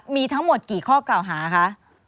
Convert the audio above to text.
มีทั้งหมดกี่ข้อกล่าวหาคะ